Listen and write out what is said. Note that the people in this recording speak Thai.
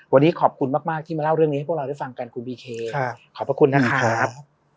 วันนี้ขอบคุณมากที่มาเล่าเรื่องนี้ให้พวกเราได้ฟังกันคุณบีเคขอบพระคุณนะครับ